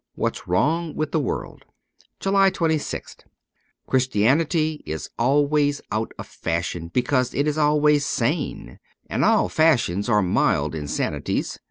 ' What's Wrons. with the World.' 229 JULY 26th CHRISTIANITY is always out of fashion because it is always sane ; and all fashions are mild insanities.